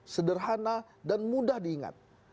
sederhana dan mudah diingat